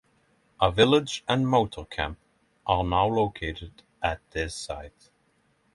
A village and motor camp are now located at this site.